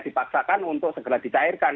dipaksakan untuk segera dicairkan